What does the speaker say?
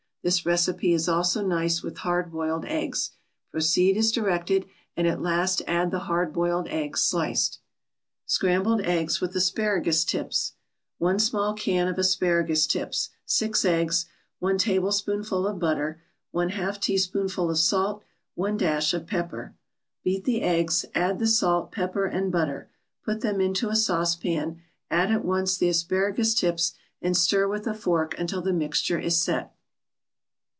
This recipe is also nice with hard boiled eggs; proceed as directed, and at last add the hard boiled eggs, sliced. SCRAMBLED EGGS WITH ASPARAGUS TIPS 1 small can of asparagus tips 6 eggs 1 tablespoonful of butter 1/2 teaspoonful of salt 1 dash of pepper Beat the eggs, add the salt, pepper and butter. Put them into a saucepan, add at once the asparagus tips and stir with a fork until the mixture is "set."